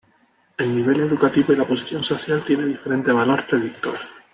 El nivel educativo y la posición social tiene diferente valor predictor.